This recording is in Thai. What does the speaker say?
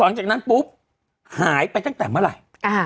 หลังจากนั้นปุ๊บหายไปตั้งแต่เมื่อไหร่